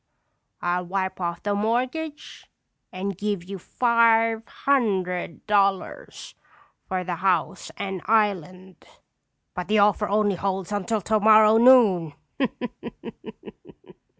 I'll wipe off the mortgage and give you five hundred dollars for the house and island. But the offer only holds until tomorrow noon."